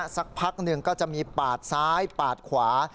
สักพักหนึ่งก็จะมีปาดซ้ายปาดขวา